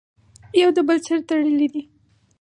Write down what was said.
يو د بل سره تړلي دي!!.